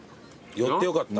寄ってよかった。